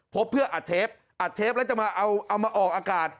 พบเพื่ออัดเทปอัดเทปแล้วจะมาเอามาออกอากาศ